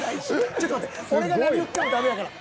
ちょっと待って俺が何言ってもダメだから。